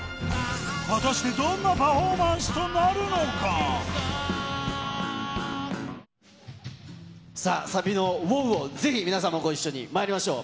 果たしてどんなパフォーマンさあ、サビのウォウォ、ぜひ皆さんもご一緒にまいりましょう。